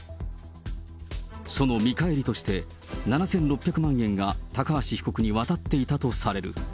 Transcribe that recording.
その見返りとして７６００万円が高橋被告に渡っていたとされる。